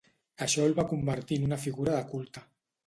Això el va convertir en una figura de culte.